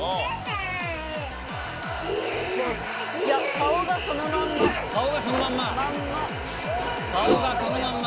顔がそのまんま。